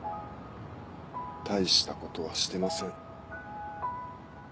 大したことはしてません。